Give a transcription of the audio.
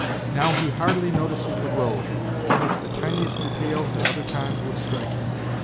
Now he hardly notices the road, on which the tiniest details at other times would strike him.